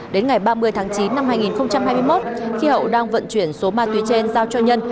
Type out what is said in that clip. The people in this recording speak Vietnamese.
đến ngày ba mươi tháng chín năm hai nghìn hai mươi một khi hậu đang vận chuyển số ma túy trên giao cho nhân